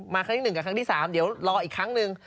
ครั้งที่๑กับครั้งที่๓เดี๋ยวรออีกครั้งหนึ่ง